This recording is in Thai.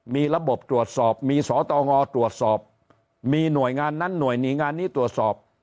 มีระบบตรวจสอบมีสตงตรวจสอบมีหน่วยงานนั้นหน่วยหนีงานนี้ตรวจสอบ